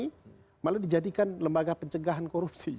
tapi malah dijadikan lembaga pencegahan korupsi